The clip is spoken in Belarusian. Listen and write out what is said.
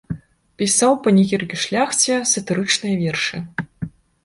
Пісаў панегірыкі шляхце, сатырычныя вершы.